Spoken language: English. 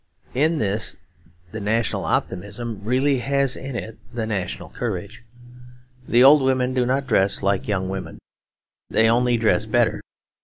In this the national optimism really has in it the national courage. The old women do not dress like young women; they only dress better.